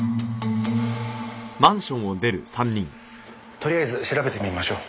とりあえず調べてみましょう。